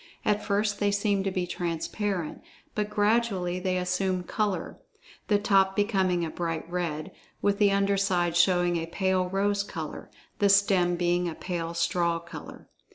At first, they seem to be transparent, but gradually they assume color, the top becoming a bright red, with the under side showing a pale rose color, the stem being of a pale straw color.